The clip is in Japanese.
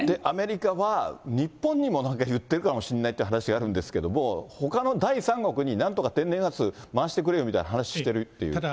アメリカは日本にもなんか言ってるかもしれないっていう話があるんですけれども、ほかの第三国になんとか天然ガス、回してくれよみたいな話してるっていう。